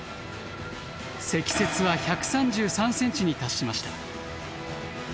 積雪は１３３ｃｍに達しました。